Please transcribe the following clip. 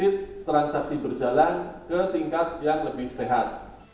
dan menjadikan transaksi berjalan ke tingkat yang lebih sehat